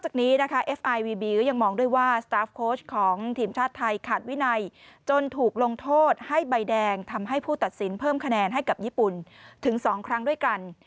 ขาดวินัยจนถูกลงโทษให้ใบแดงทำให้ผู้ตัดสินเพิ่มคะแนนให้กับญี่ปุ่นถึงสองครั้งด้วยกัน